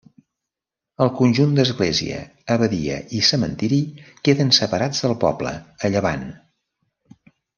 El conjunt d'església, abadia i cementiri queden separats del poble, a llevant.